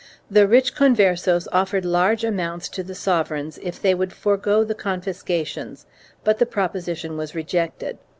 2 The rich Converses offered large amounts to the sovereigns if they would forego the confiscations, but the proposition was rejected.